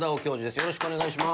よろしくお願いします。